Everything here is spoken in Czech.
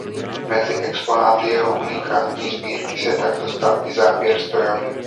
Mezi exponáty jeho unikátní sbírky se tak dostal i záběr strojovny.